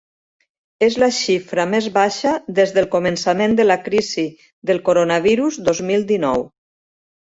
És la xifra més baixa des del començament de la crisi del coronavirus dos mil dinou.